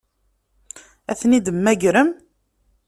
Ad ten-id-temmagrem?